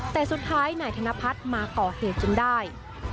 แต่สุดท้ายนายธนพัฒน์มาก่อเหตุจนได้